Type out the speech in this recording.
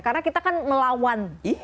karena kita kan melawan